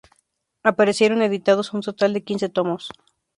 Aparecieron editados un total de quince tomos.